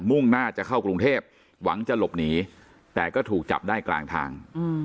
มุ่งหน้าจะเข้ากรุงเทพหวังจะหลบหนีแต่ก็ถูกจับได้กลางทาง